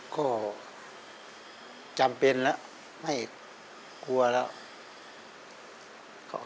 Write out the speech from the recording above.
ก็จำเป็นแล้วไม่กลัวแล้ว